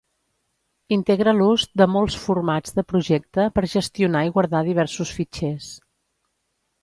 Integra l'ús de molts formats de projecte per gestionar i guardar diversos fitxers.